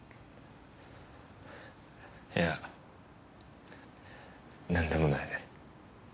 いや何でもない。